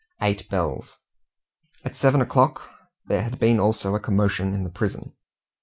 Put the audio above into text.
EIGHT BELLS. At seven o'clock there had been also a commotion in the prison.